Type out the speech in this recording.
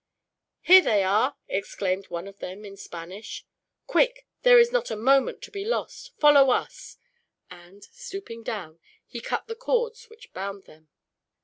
"Here they are!" exclaimed one of them, in Spanish. "Quick, there is not a moment to be lost. Follow us;" and, stooping down, he cut the cords which bound them.